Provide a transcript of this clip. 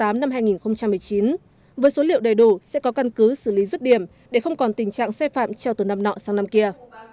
hạn độc cuối cùng vào ngày bốn tháng tám năm hai nghìn một mươi chín với số liệu đầy đủ sẽ có căn cứ xử lý rứt điểm để không còn tình trạng sai phạm treo từ năm nọ sang năm kia